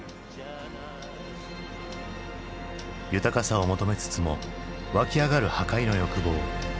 豊かさを求めつつも湧き上がる破壊の欲望。